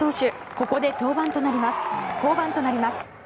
ここで降板となります。